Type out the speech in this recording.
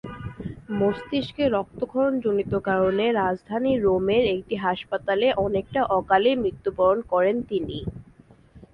মস্তিষ্কে রক্তক্ষরণজনিত কারণে রাজধানী রোমের একটি হাসপাতালে অনেকটা অকালেই মৃত্যুবরণ করেন তিনি।